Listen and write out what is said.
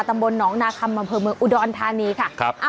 ตำบลน้องนาคมมพมเมิกอุดรทานีค่ะ